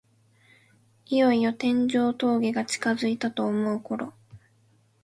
いよいよ天城峠が近づいたと思うころ